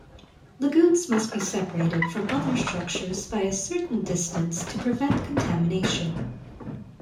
Lagoons must be separated from other structures by a certain distance to prevent contamination.